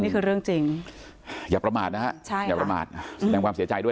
คุณเหง